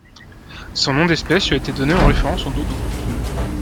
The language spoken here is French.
Son nom d'espèce, lui a été donné en référence au Dodo.